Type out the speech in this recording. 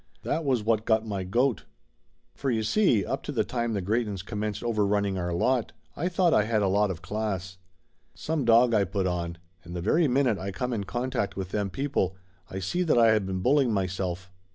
That was what got my goat. For you see. up to the time the Greytons commenced overrunning our lot I thought I had a lot of class. Some dog I put on, and the very minute I come in con tact with them people I see that I had been bulling my self.